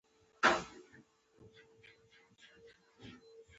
لکه پر سکروټو چې اوبه وشيندې.